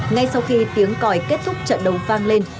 ngay sau khi tiếng còi kết thúc trận đấu vang lên